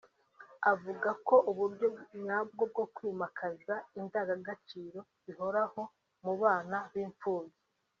avuga ko uburyo nyabwo bwo kwimakaza indangagaciro zihoraho mu bana b’imfubyi